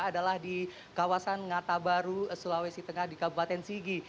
adalah di kawasan ngata baru sulawesi tengah di kabupaten sigi